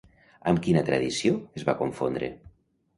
Amb quina tradició es va confondre?